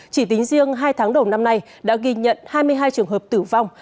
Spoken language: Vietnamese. chỉ tính riêng hai tháng đầu năm nay đã ghi nhận hai mươi hai trường hợp tử vong